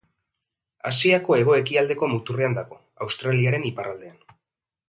Asiako hego-ekialdeko muturrean dago, Australiaren iparraldean.